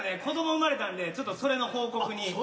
子ども生まれたんでちょっとそれの報告に。